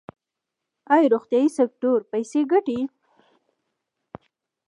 آیا روغتیايي سکتور پیسې ګټي؟